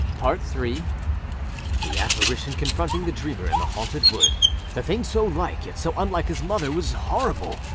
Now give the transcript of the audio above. III THE apparition confronting the dreamer in the haunted woodâthe thing so like, yet so unlike his motherâwas horrible!